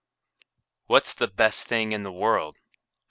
What's the best thing in the world?